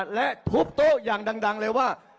ถามเพื่อให้แน่ใจ